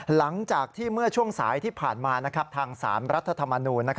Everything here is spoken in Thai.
หลังจากที่เมื่อช่วงสายที่ผ่านมาทาง๓รัฐธรรมนูล